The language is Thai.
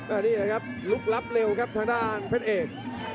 อันนี้แหละครับลุกลับเร็วครับทางด้านเพชรเอก